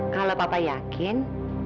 kalau papa yakin